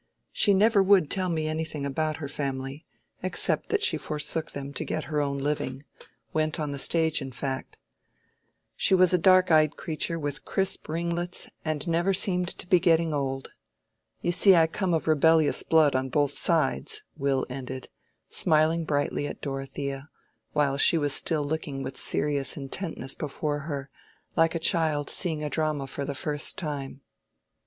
She never would tell me anything about her family, except that she forsook them to get her own living—went on the stage, in fact. She was a dark eyed creature, with crisp ringlets, and never seemed to be getting old. You see I come of rebellious blood on both sides," Will ended, smiling brightly at Dorothea, while she was still looking with serious intentness before her, like a child seeing a drama for the first time.